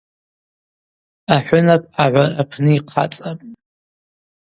Ахӏвынап агӏвара апны йхъацӏапӏ.